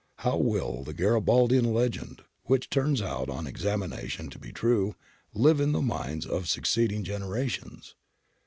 How will the Gari baldian legend — which turns out on examination to be true — live in the minds of succeeding generations?